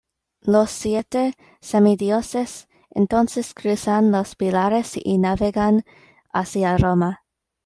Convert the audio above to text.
Los siete semidioses entonces cruzan los pilares y navegan hacia Roma.